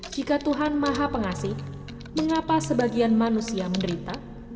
jika tuhan maha pengasih mengapa sebagian manusia menderita